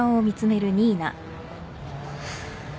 ハァ。